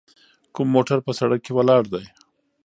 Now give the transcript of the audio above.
کوم موټر په سړک کې ولاړ دی؟